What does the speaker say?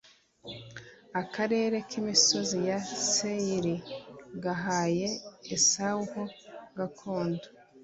akarere k’imisozi miremire ya Seyiri nagahaye Esawu ho gakondo.